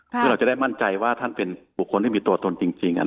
เพื่อเราจะได้มั่นใจว่าท่านเป็นบุคคลที่มีตัวตนจริง